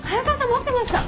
待ってました。